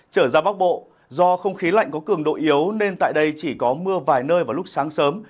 trở ra bắc bộ do không khí lạnh có cường độ yếu nên tại đây chỉ có mưa vài nơi vào lúc sáng sớm